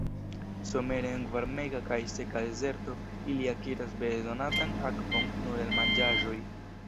Somere en varmega kaj seka dezerto ili akiras bezonatan akvon nur el manĝaĵoj.